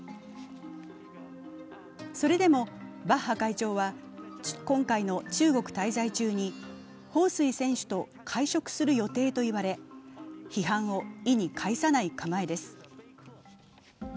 それでも、バッハ会長は今回の中国滞在中に彭帥選手と会食する予定と言われ批判を意に介さない構えです。